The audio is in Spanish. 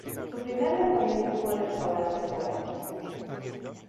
Su primer lanzamiento fue "restaurante cruel".